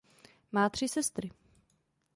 Má tři sestry.